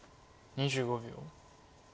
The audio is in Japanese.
２５秒。